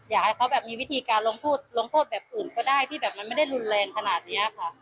อยากให้เขามีวิธีการลงโทษแบบอื่นก็ได้ที่ไม่ได้รุนแลนขนาดนี้